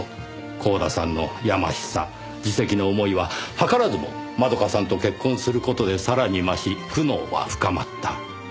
光田さんの疚しさ自責の思いは図らずも窓夏さんと結婚する事でさらに増し苦悩は深まった。